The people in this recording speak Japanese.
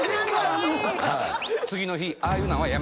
次の日。